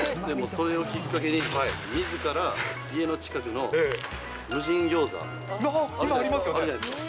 もうそれをきっかけに、みずから家の近くの無人ギョーザ、あるじゃないですか。